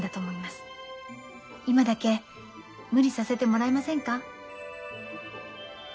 今だけ無理させてもらえませんか？